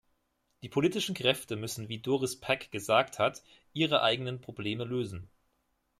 Die politischen Kräfte müssen wie Doris Pack gesagt hat ihre eigenen Probleme lösen.